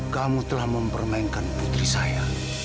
kamu telah mempermainkan putri saya